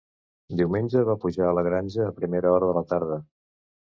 Diumenge va pujar a la granja a primera hora de la tarda.